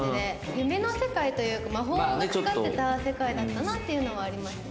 夢の世界というか魔法がかかってた世界だったなっていうのはありますね。